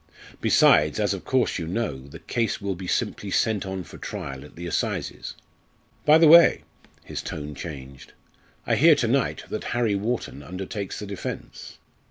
Besides, as of course you know, the case will be simply sent on for trial at the assizes. By the way " his tone changed "I hear to night that Harry Wharton undertakes the defence."